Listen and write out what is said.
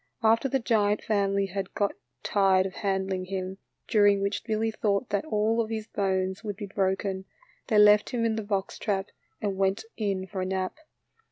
After the giant family had got tired of handling him, during which Billy thought that all of his bones would be broken, they left him in the box trap and went in for a nap.